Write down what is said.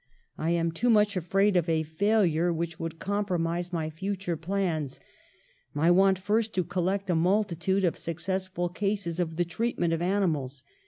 I am too much 168 PASTEUR afraid of a failure, which may compromise my future plans. I want first to collect a multi tude of successful cases of the treatment of ani mals.